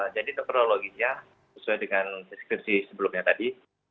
jadi kronologinya sesuai dengan deskripsi sebelumnya tadi